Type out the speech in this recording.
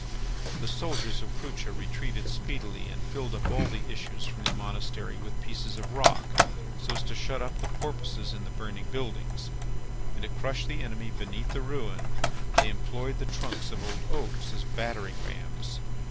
The soldiers of Crucha retreated speedily and filled up all the issues from the monastery with pieces of rock so as to shut up the Porpoises in the burning buildings. And to crush the enemy beneath the ruin they employed the trunks of old oaks as battering rams.